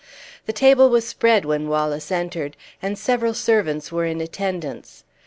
The table was spread when Wallace entered, and several servants were in attendance.